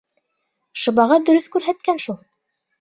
Шыбаға дөрөҫ күрһәткән шул!